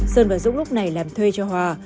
sơn và dũng lúc này làm thuê cho hòa